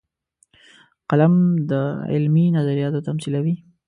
قلم د علمي نظریاتو تمثیلوي